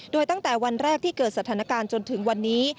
โดยตั้งแต่วันแรกที่เกิดสถานการณ์จนถึงวันนี้